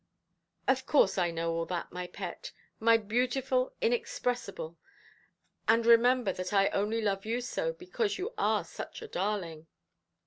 "Of course, I know all that, my pet; my beauty inexpressible. And, remember that I only love you so because you are such a darling".